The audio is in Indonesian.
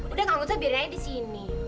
udah kang gustaf biarin aja di sini